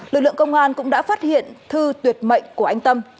lực lượng công an cũng đã phát hiện thư tuyệt mệnh của anh tâm